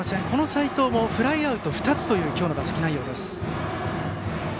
齋藤もフライアウト２つという今日の打席内容です。